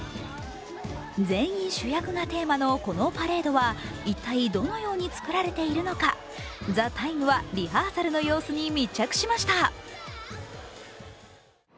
全員主役がテーマのこのパレードは一体、どのように作られているのか「ＴＨＥＴＩＭＥ，」はリハーサルの様子に密着しました。